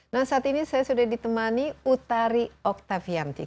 nah saat ini saya sudah ditemani utari oktavianti